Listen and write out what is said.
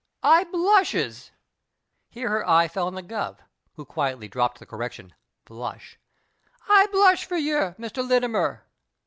I blushes "— here her eye fell on the Guv., who quietly dropped the correction " blush "—" I blush for yer, Mr. Littimer."